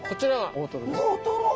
大トロ！